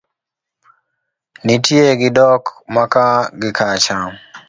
nitie gi dok maka gi kacha